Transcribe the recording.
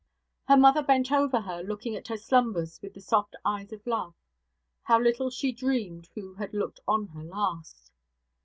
Her mother bent over her, looking at her slumbers with the soft eyes of love. How little she dreamed who had looked on her last!